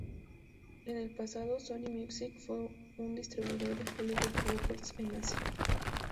En el pasado, Sony Music fue un distribuidor de Hollywood Records en Asia.